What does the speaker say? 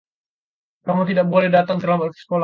Kamu tidak boleh datang terlambat ke sekolah.